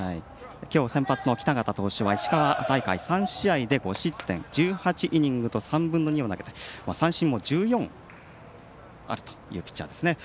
きょう先発の北方投手は石川大会３試合で５失点１８イニング３分の２を投げて三振も１４あるというピッチャー。